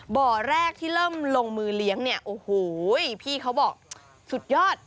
บ่อแรกที่เริ่มลงมือเลี้ยงเนี่ยโอ้โหพี่เขาบอกสุดยอด